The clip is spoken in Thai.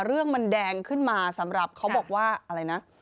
เรื่องมันแดงขึ้นมาสำหรับเขาบอกว่าอะไรนะ